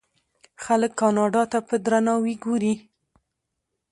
خلک کاناډا ته په درناوي ګوري.